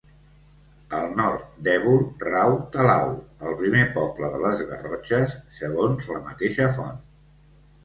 Al nord d'Évol rau Talau, el primer poble de les Garrotxes, segons la mateixa font.